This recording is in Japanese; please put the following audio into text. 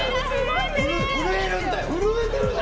震えるんだよ！